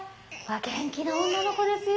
・元気な女の子ですよ。